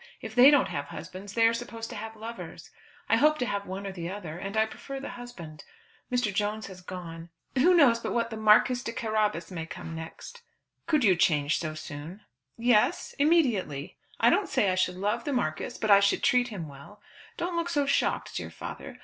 If they don't have husbands, they are supposed to have lovers. I hope to have one or the other, and I prefer the husband. Mr. Jones has gone. Who knows but what the Marquis de Carabas may come next." "Could you change so soon?" "Yes; immediately. I don't say I should love the Marquis, but I should treat him well. Don't look so shocked, dear father.